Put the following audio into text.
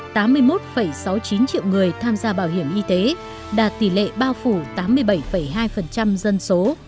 tám mươi một sáu mươi chín triệu người tham gia bảo hiểm y tế đạt tỷ lệ bao phủ tám mươi bảy hai dân số